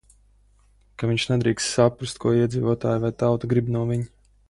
Ka viņš nedrīkst saprast, ko iedzīvotāji vai tauta grib no viņa.